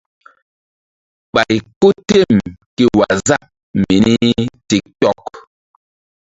Ɓay ko tem ké waazap mini tik tok.